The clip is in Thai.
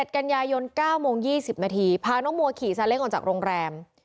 ๑กันยายน๙โมง๒๐นาทีพาน้องมัวขี่ซาเล้งออกจากโรงแรม